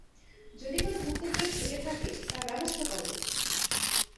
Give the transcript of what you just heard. যদি কোন গুপ্তচর থেকে থাকে, তার ব্যবস্থা কর!